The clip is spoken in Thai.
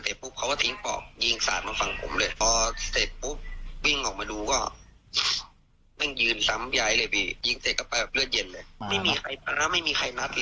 ไม่มีใครพันราไม่มีใครนัดเลยพี่